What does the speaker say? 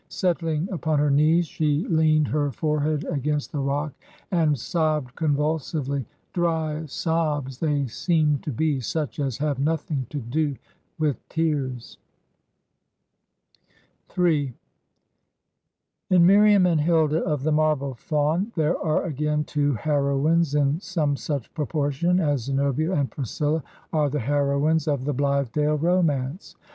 Settling upon her knees, she leaned her forehead against the rock, and sobbed convulsively; dry sobs they seemed to be, such as have nothing to do with tears/' m In Miriam and Hilda of "The Marble Faun" there are again two heroines in some such proportion as Ze nobia and Priscilla are the heroines of "The Blithedale Romance."